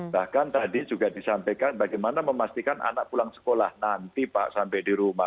bahkan tadi juga disampaikan bagaimana memastikan anak pulang sekolah nanti pak sampai di rumah